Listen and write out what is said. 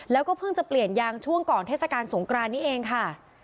แล้วก็เพิ่งจะเปลี่ยนยางช่วงก่อนเทศกาลสงกรานนี้เองค่ะ